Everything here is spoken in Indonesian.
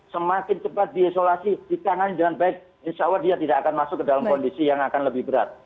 semakin cepat diisolasi ditangani dengan baik insya allah dia tidak akan masuk ke dalam kondisi yang akan lebih berat